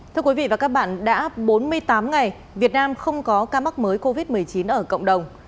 thưa quý vị và các bạn đã bốn mươi tám ngày việt nam không có ca mắc mới covid một mươi chín ở cộng đồng